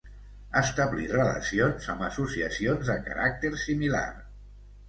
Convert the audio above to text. Establir relacions amb Associacions de caràcter similar.